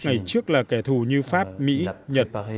ngày trước là kẻ thù như pháp mỹ nhật